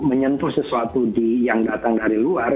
menyentuh sesuatu yang datang dari luar